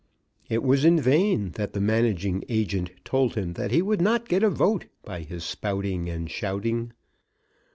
It was in vain that the managing agent told him that he would not get a vote by his spouting and shouting.